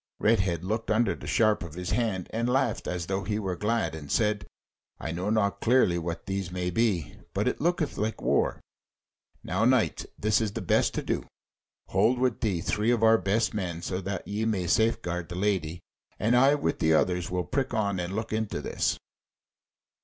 Redhead looked under the sharp of his hand, and laughed as though he were glad, and said: "I know not clearly what these may be, but it looketh like war. Now, knight, this is best to do: hold with thee three of our best men, so that ye may safe guard the Lady, and I with the others will prick on and look into this."